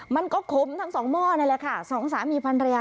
มันก็ขมทั้งสองหม้อนี่แหละค่ะสองสามีพันรยา